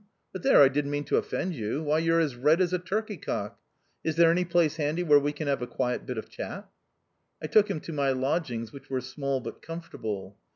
But there, I didn't mean to offend you. Why, you're as red as a turkey cock ! Is there any place handy where we can have a quiet bit of chat ?" I took him to my lodgings, which were small but comfortable.